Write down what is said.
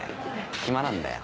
暇なんだよ。